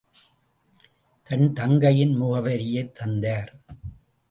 தன் தங்கையின் முகவரியைத் தந்தார்.